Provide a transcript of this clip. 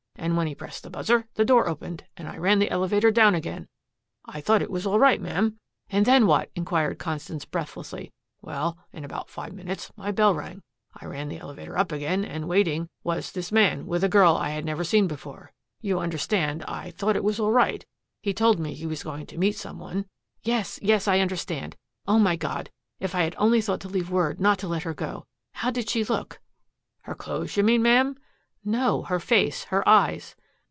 And when he pressed the buzzer, the door opened, and I ran the elevator down again. I thought it was all right, ma'am." "And then what?" inquired Constance breathlessly. "Well, in about five minutes my bell rang. I ran the elevator up again, and, waiting, was this man with a girl I had never seen before. You understand I thought it was all right he told me he was going to meet some one." "Yes yes. I understand. Oh, my God, if I had only thought to leave word not to let her go. How did she look?" "Her clothes, you mean, Ma'am?" "No her face, her eyes!"